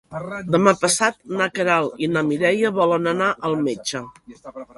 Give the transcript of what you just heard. Demà passat na Queralt i na Mireia volen anar al metge.